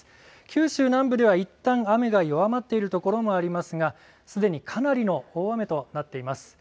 九州南部ではいったん雨が弱まっているところもありますが、すでにかなりの大雨となっています。